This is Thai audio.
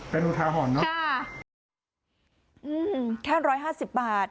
เป็นอุทาหอนเนอะค่ะแค่๑๕๐บาท